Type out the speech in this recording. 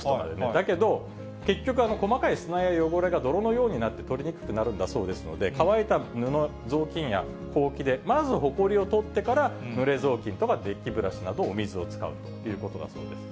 だけど、結局細かい砂や汚れが泥のようになって取りにくくなるそうですので、乾いた布雑巾やほうきでまずほこりを取ってから、ぬれ雑巾とかデッキブラシなど、お水を使うということだそうです。